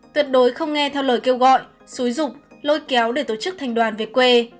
tuyệt đối không nghe theo lời kêu gọi xúi rục lôi kéo để tổ chức thành đoàn về quê